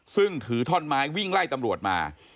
ซึ่งถือท่อนไม้วิ่งไล่ตำรวจมา